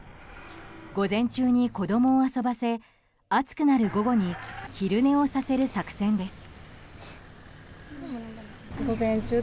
午前中に子供を遊ばせ暑くなる午後に昼寝をさせる作戦です。